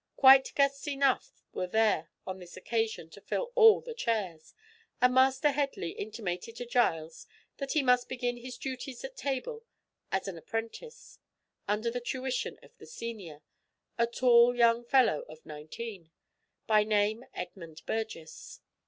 Quite guests enough were there on this occasion to fill all the chairs, and Master Headley intimated to Giles that he must begin his duties at table as an apprentice, under the tuition of the senior, a tall young fellow of nineteen, by name Edmund Burgess.